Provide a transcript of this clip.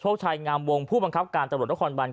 เชิกชายงามวงผู้บังคับการโฆษฐ์